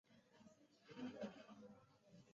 该山峰得名自其东北面山脚的庙仔。